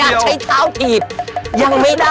มันอยากใช้เท้าผิดยังไม่ได้เลย